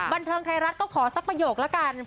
บันเทิงไทยรัฐก็ขอสักประโยคละกัน